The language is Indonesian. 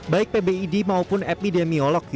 baik pbid maupun epidemiolog